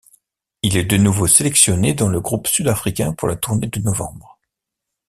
Il est de nouveau sélectionné dans le groupe sud-africain pour la tournée de novembre.